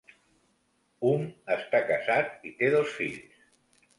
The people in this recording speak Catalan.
Hum està casat i té dos fills.